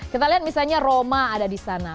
kita lihat misalnya roma ada di sana